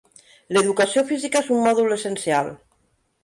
L'educació física és un mòdul essencial.